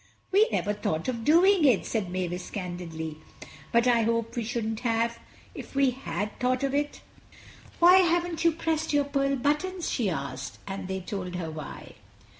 "We never thought of doing it," said Mavis candidly, "but I hope we shouldn't have, if we had thought of it." "Why haven't you pressed your pearl buttons?" she asked, and they told her why.